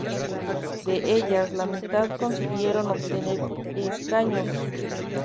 De ellas, la mitad consiguieron obtener escaños.